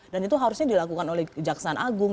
dan itu harusnya dilakukan oleh jaksan agung